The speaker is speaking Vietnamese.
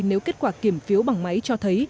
nếu kết quả kiểm phiếu bằng máy cho thấy